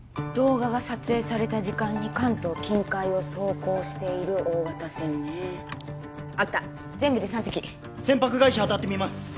動画が撮影された時間に関東近海を走行している大型船ねあった全部で３隻船舶会社当たってみます